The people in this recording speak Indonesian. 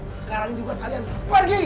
sekarang juga kalian pergi